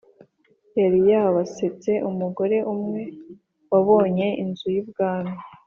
yari yabasetse Umugore umwe wabonye Inzu y Ubwami